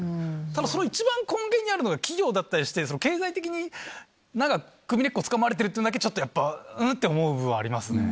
ただその一番根源にあるのが企業だったりして経済的に首根っこつかまれてるっていうのだけちょっとやっぱ「ん？」って思う部分はありますね。